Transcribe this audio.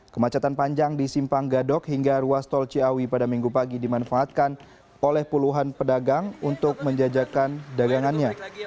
kemacetan panjang di simpang gadok hingga ruas tol ciawi pada minggu pagi dimanfaatkan oleh puluhan pedagang untuk menjajakan dagangannya